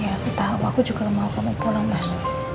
iya aku tahu aku juga mau kamu pulang mas